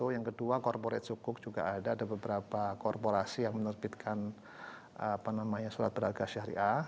yang kedua corporate suku juga ada beberapa korporasi yang menerbitkan apa namanya surat beragas syariah